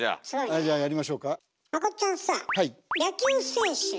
はいじゃあやりましょうか。